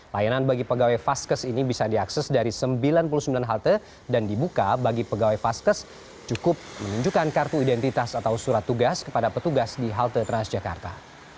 layanan bagi pegawai vaskes ini bisa diakses dari sembilan puluh sembilan halte dan dibuka bagi pegawai vaskes cukup menunjukkan kartu identitas atau surat tugas kepada petugas di halte transjakarta